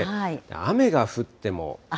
雨が降っても。